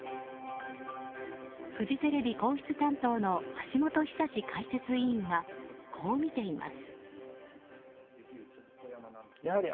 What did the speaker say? フジテレビ皇室担当の橋本寿史解説委員はこうみています。